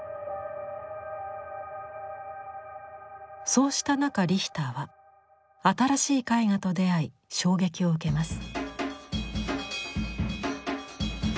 そうした中リヒターは新しい絵画と出会い衝撃を受けます。